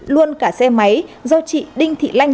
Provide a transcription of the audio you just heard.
luôn cả xe máy do chị đinh thị lanh